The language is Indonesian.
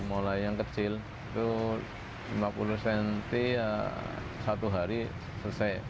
mulai yang kecil itu lima puluh cm satu hari selesai